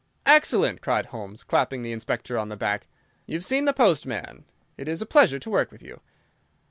"Excellent!" cried Holmes, clapping the Inspector on the back. "You've seen the postman. It is a pleasure to work with you.